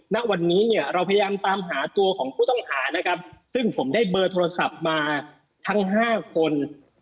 ณวันนี้เนี่ยเราพยายามตามหาตัวของผู้ต้องหานะครับซึ่งผมได้เบอร์โทรศัพท์มาทั้ง๕คน